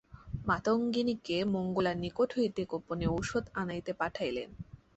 মাতঙ্গিনীকে মঙ্গলার নিকট হইতে গােপনে ঔষধ আনাইতে পাঠাইলেন।